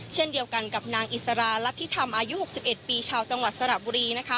เช่นเดียวกันกับนางอิสรารัฐธิธรรมอายุ๖๑ปีชาวจังหวัดสระบุรีนะคะ